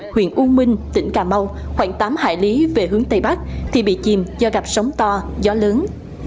huyện u minh tỉnh cà mau khoảng tám hải lý về hướng tây bắc thì bị chìm do gặp sóng to gió lớn